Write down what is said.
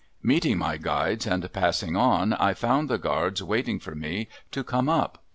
Meeting my guides and passing on I found the guards waiting for me to come up.